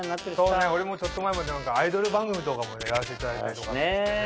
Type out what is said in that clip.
そうね俺もちょっと前まではアイドル番組とかもやらせていただいたりとかもしてね。